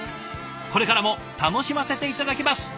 これからも楽しませて頂きます。